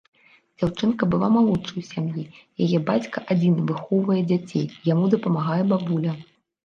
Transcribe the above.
Дзяўчынка была малодшай у сям'і, яе бацька адзін выхоўвае дзяцей, яму дапамагае бабуля.